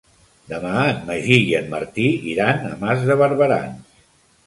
Demà en Magí i en Martí iran a Mas de Barberans.